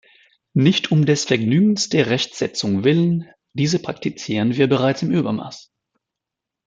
Nicht um des Vergnügens der Rechtsetzung willen, diese praktizieren wir bereits im Übermaß.